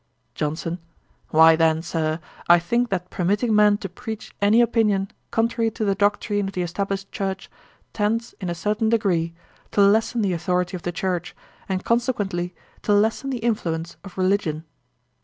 JOHNSON. 'Why then, Sir, I think that permitting men to preach any opinion contrary to the doctrine of the established church tends, in a certain degree, to lessen the authority of the church, and consequently, to lessen the influence of religion.'